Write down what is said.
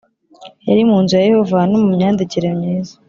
yari mu nzu ya Yehova no mumyandikire myiza